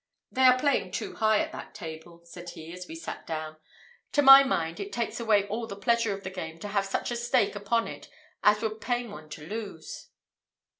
"They are playing too high at that table," said he, as we sat down. "To my mind, it takes away all the pleasure of the game to have such a stake upon it as would pain one to lose.